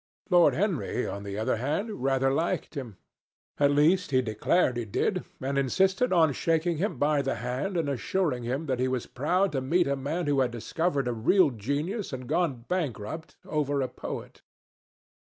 Lord Henry, upon the other hand, rather liked him. At least he declared he did, and insisted on shaking him by the hand and assuring him that he was proud to meet a man who had discovered a real genius and gone bankrupt over a poet.